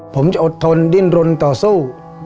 ผมจะอดทนดิ้นรนต่อสู้